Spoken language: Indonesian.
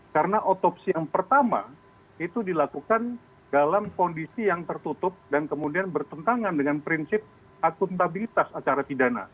karena autopsi yang pertama itu dilakukan dalam kondisi yang tertutup dan kemudian bertentangan dengan prinsip akuntabilitas acara pidana